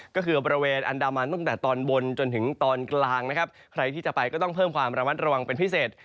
ก็คือบริเวณอันดามันตั้งแต่ตอนบนจนถึงตอนกลางนะครับใครที่จะไปก็ต้องเพิ่มความระมัดระวังเป็นพิเศษ